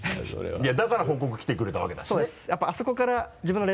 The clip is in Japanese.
いやだから報告来てくれたわけだしね。